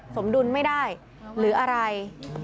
สมดุลไม่ได้หรืออะไร